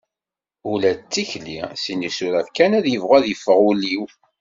Ula d tikli sin isuraf kan ad yebɣu ad yeffeɣ wul-iw.